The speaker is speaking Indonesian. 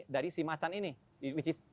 dari si macan ini which is